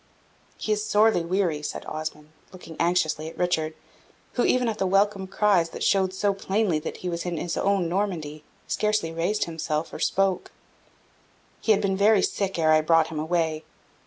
"He is sorely weary," said Osmond, looking anxiously at Richard, who, even at the welcome cries that showed so plainly that he was in his own Normandy, scarcely raised himself or spoke. "He had been very sick ere I brought him away.